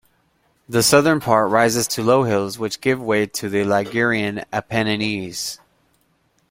The southern part rises to low hills which give way to the Ligurian Apennines.